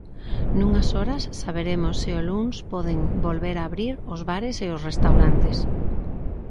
Nunhas horas saberemos se o luns poden volver abrir os bares e os restaurantes.